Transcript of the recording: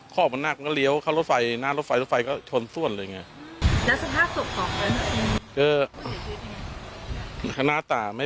ออกมาหน้ามันก็เลี้ยวเข้ารถไฟหน้ารถไฟรถไฟก็ชนส้วนเลยไง